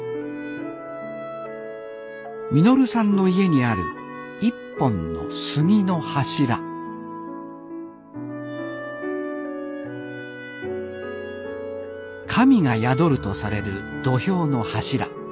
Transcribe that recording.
稔さんの家にある一本の杉の柱神が宿るとされる土俵の柱。